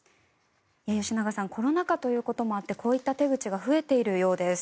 吉永さんコロナ禍ということもあってこういった手口が増えているようです。